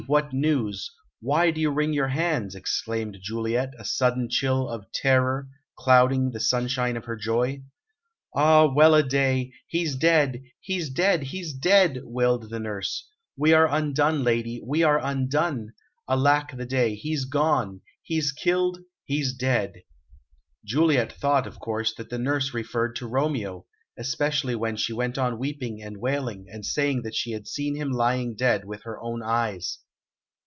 What news? Why do you wring your hands?" exclaimed Juliet, a sudden chill of terror clouding the sunshine of her joy. "Ah, well a day! he's dead, he's dead, he's dead!" wailed the nurse. "We are undone, lady we are undone! Alack the day! He's gone, he's killed, he's dead!" Juliet thought, of course, that the nurse referred to Romeo, especially when she went on weeping and wailing and saying that she had seen him lying dead with her own eyes.